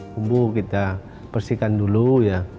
bumbu kita bersihkan dulu ya